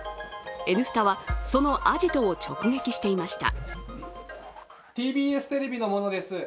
「Ｎスタ」は、そのアジトを直撃していました。